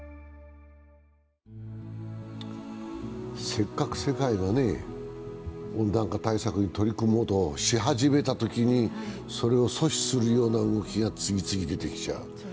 せっかく世界が温暖化対策に取り組もうとし始めたときにそれを阻止するような動きが次々出てきちゃう。